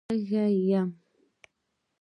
_تږی يم.